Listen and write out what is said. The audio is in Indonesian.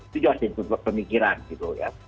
itu juga harus dipikirkan pemikiran gitu ya